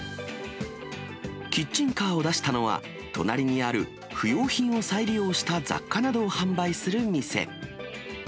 キッチンカーを出したのは、隣にある不用品を再利用した雑貨などを販売する店。